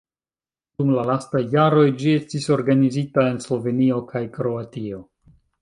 Dum la lastaj jaroj ĝi estis organizita en Slovenio kaj Kroatio.